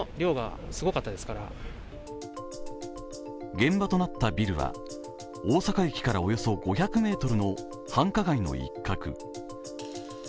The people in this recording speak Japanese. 現場となったビルは大阪駅からおよそ５００ｍの繁華街の一角。